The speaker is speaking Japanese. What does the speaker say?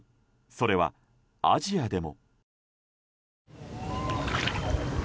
それはアジアでも。